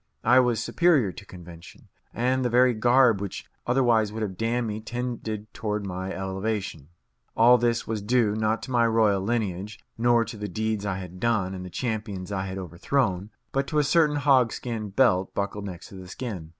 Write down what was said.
I was superior to convention, and the very garb which otherwise would have damned me tended toward my elevation. And all this was due, not to my royal lineage, nor to the deeds I had done and the champions I had overthrown, but to a certain hogskin belt buckled next the skin.